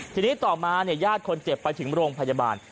ทีนี้ต่อมาเนี่ยญาติคนเจ็บไปถึงโรงพยาบาล